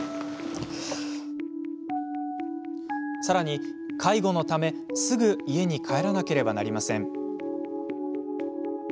さらに、介護のためすぐ家に帰らなければなりません。